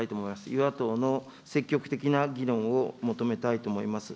与野党の積極的な議論を求めたいと思います。